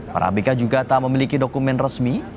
para abk juga tak memiliki dokumen resmi